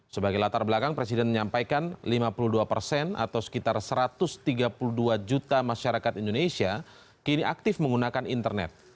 sebagai latar belakang presiden menyampaikan lima puluh dua persen atau sekitar satu ratus tiga puluh dua juta masyarakat indonesia kini aktif menggunakan internet